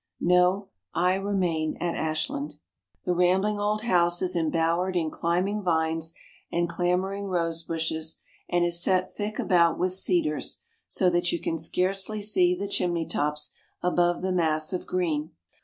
No, I remain at Ashland." The rambling old house is embowered in climbing vines and clambering rosebushes and is set thick about with cedars, so that you can scarcely see the chimney tops above the mass of green.